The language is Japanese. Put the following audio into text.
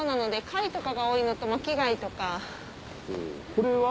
これは？